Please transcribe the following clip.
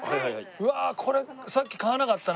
うわこれさっき買わなかったな。